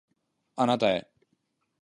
あなたへ